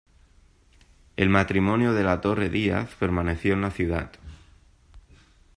El matrimonio De la Torre-Díaz permaneció en la Ciudad.